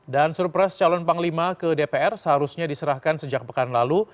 dan surpres calon panglima ke dpr seharusnya diserahkan sejak pekan lalu